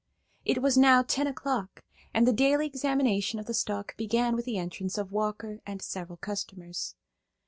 It was now ten o' clock, and the daily examination of the stock began with the entrance of Walker and several customers.